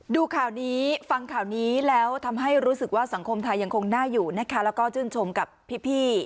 ดูข่าวนี้ฟังข่าวนี้แล้วทำให้รู้สึกว่าสังคมไทยยังคงน่าอยู่นะคะแล้วก็ชื่นชมกับพี่